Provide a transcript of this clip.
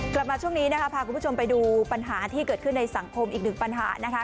กลับมาช่วงนี้นะคะพาคุณผู้ชมไปดูปัญหาที่เกิดขึ้นในสังคมอีกหนึ่งปัญหานะคะ